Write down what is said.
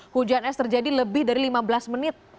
hujan es terjadi lebih dari lima belas menit